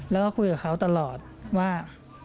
แล้วก็คุยกับเขาตลอดว่า